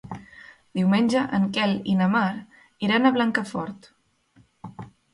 Diumenge en Quel i na Mar iran a Blancafort.